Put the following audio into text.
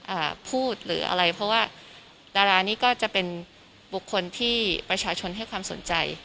อ่าพูดหรืออะไรเพราะว่าดารานี้ก็จะเป็นบุคคลที่ประชาชนให้ความสนใจ